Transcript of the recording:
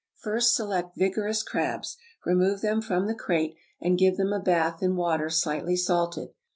First select vigorous crabs, remove them from the crate, and give them a bath in water slightly salted.